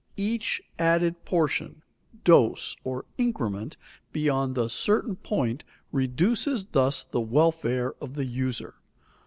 Each added portion, dose or increment beyond a certain point reduces thus the welfare of the user.